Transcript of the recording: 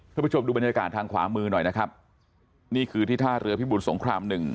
ผู้ชมดูบรรยากาศทางขวามือหน่อยนะครับนี่คือที่ท่าเรือพิบุญสงครามหนึ่ง